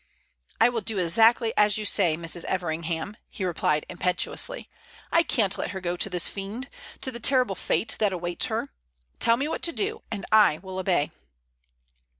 "I will do exactly as you say, Mrs. Everingham," he replied, impetuously. "I can't let her go to this fiend to the terrible fate that awaits her. Tell me what to do, and I will obey!"